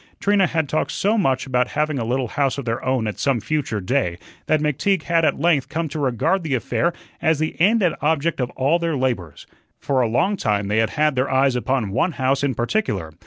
Trina had talked so much about having a little house of their own at some future day, that McTeague had at length come to regard the affair as the end and object of all their labors. For a long time they had had their eyes upon one house in particular.